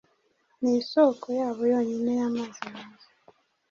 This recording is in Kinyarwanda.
ni isoko yabo yonyine y'amazi meza.